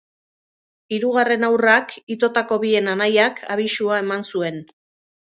Hirugarren haurrak, itotako bien anaiak, abisua eman zuen.